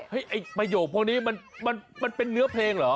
ไอ้ประโยคพวกนี้มันเป็นเนื้อเพลงเหรอ